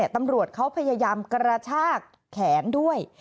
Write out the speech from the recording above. ตำรวจเขาพยายามกระชากแขนด้วย